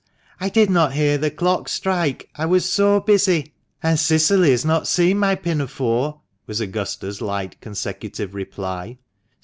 I did not hear the clock strike, I was so busy; and Cicily has not seen my pinafore," was Augusta's light, consecutive reply.